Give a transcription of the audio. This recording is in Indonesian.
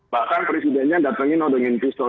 bahkan presidennya datangin odongin pistol